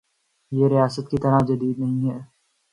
یہ ریاست کی طرح جدید نہیں ہے۔